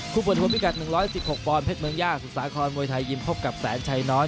เปิดดูพิกัด๑๑๖ปอนดเพชรเมืองย่าสุสาครมวยไทยยิมพบกับแสนชัยน้อย